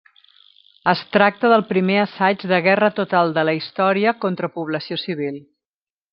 Es tracta del primer assaig de guerra total de la història contra població civil.